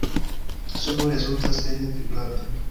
Sono rezultas el vibrado.